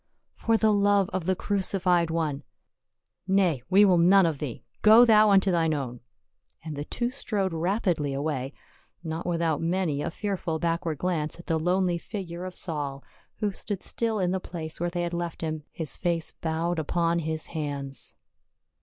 "For the love of the crucified One —"" Nay, we will none of thee. Go thou unto thine own." And the two strode rapidly away, not without many a fearful backward glance at the lonely figure of Saul, who stood still in the place where they had left him, his face bowed upon his hands.